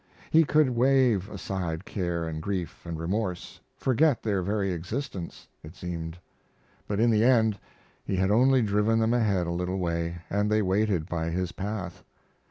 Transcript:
He could wave aside care and grief and remorse, forget their very existence, it seemed; but in the end he had only driven them ahead a little way and they waited by his path.